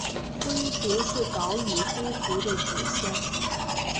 灰狐是岛屿灰狐的祖先。